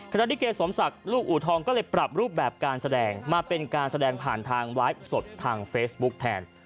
นิเกสมศักดิ์ลูกอูทองก็เลยปรับรูปแบบการแสดงมาเป็นการแสดงผ่านทางไลฟ์สดทางเฟซบุ๊กแทน